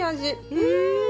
うん！